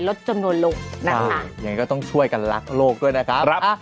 ลดจำนวนลงใช่อย่างงี้ก็ต้องช่วยกันลักโลกด้วยนะครับครับอ่ะ